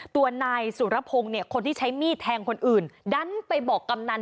ตัวนายสุรพงศ์เนี่ยคนที่ใช้มีดแทงคนอื่นดันไปบอกกำนัน